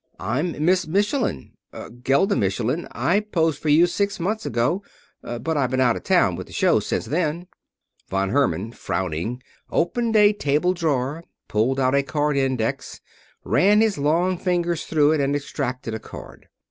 "I'm Miss Michelin Gelda Michelin. I posed for you six months ago, but I've been out of town with the show since then." Von Herman, frowning, opened a table drawer, pulled out a card index, ran his long fingers through it and extracted a card.